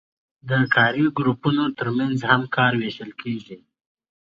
د کاري ګروپونو ترمنځ هم کار ویشل کیږي.